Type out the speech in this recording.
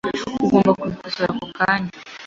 Ugomba kubikosora ako kanya .